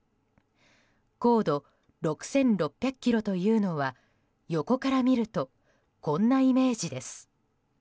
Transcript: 高度６６００ｋｍというのは横から見るとこんなイメージです。